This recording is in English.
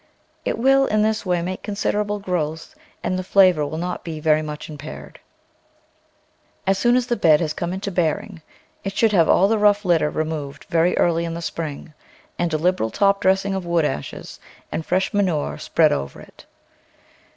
It will, in this way, make considerable growth and the flavour will not be very much impaired. As soon as the bed has come into bearing it should have all the rough litter removed very early in the spring and a liberal top dressing of wood ashes and fresh manure spread over it.